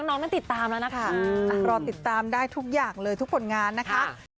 น้องนั้นติดตามแล้วนะคะรอติดตามได้ทุกอย่างเลยทุกผลงานนะคะ